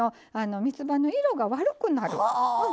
みつばの色が悪くなる。